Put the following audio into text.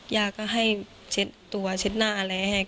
ยาก็ให้เช็ดตัวเช็ดหน้าอะไรให้